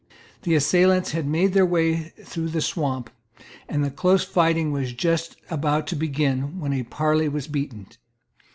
The assailants had made their way through the swamp, and the close fighting was just about to begin, when a parley was beaten.